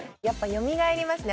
よみがえりますね